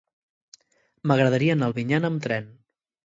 M'agradaria anar a Albinyana amb tren.